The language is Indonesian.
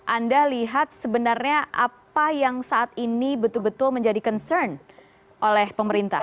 anda lihat sebenarnya apa yang saat ini betul betul menjadi concern oleh pemerintah